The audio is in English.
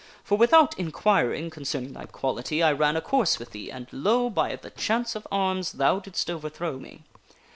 For with out inquiring concerning thy quality, I ran a course with thee and, lo ! by the chance of arms thou didst overthrow me.